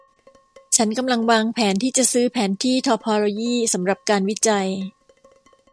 ฉันกำลังวางแผนที่จะซื้อแผนที่ทอพอโลยีสำหรับการวิจัย